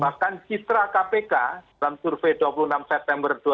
bahkan citra kpk dalam survei dua puluh enam september dua ribu dua puluh